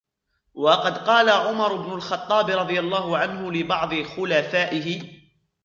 وَقَدْ قَالَ عُمَرُ بْنُ الْخَطَّابِ رَضِيَ اللَّهُ عَنْهُ لِبَعْضِ خُلَفَائِهِ